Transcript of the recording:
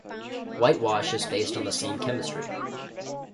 Whitewash is based on the same chemistry.